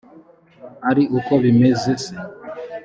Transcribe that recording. ari uko bimeze se